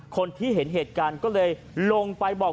คนที่เห็นเหตุการณ์ก็เลยลงไปบอก